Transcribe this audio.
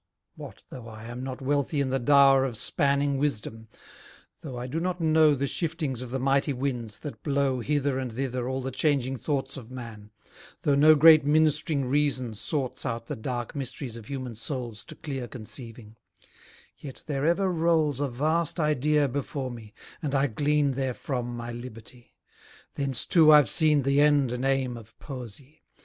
What though I am not wealthy in the dower Of spanning wisdom; though I do not know The shiftings of the mighty winds, that blow Hither and thither all the changing thoughts Of man: though no great minist'ring reason sorts Out the dark mysteries of human souls To clear conceiving: yet there ever rolls A vast idea before me, and I glean Therefrom my liberty; thence too I've seen The end and aim of Poesy.